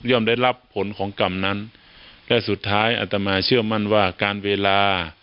ได้รับผลของกรรมนั้นและสุดท้ายอัตมาเชื่อมั่นว่าการเวลา